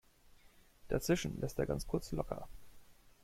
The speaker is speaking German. Dazwischen lässt er ganz kurz locker.